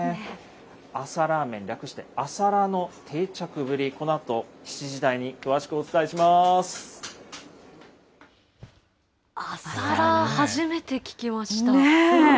朝ラーメン、略して朝ラーの定着ぶり、このあと、７時台に詳朝ラー、初めて聞きました。